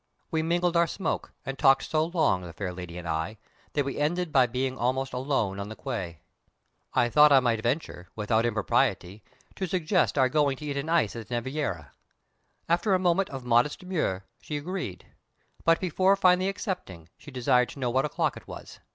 We mingled our smoke, and talked so long, the fair lady and I, that we ended by being almost alone on the quay. I thought I might venture, without impropriety, to suggest our going to eat an ice at the neveria.* After a moment of modest demur, she agreed. But before finally accepting, she desired to know what o'clock it was.